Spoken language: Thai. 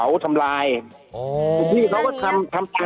คุณติเล่าเรื่องนี้ให้ฮะ